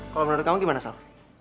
kalau menurut kamu gimana sal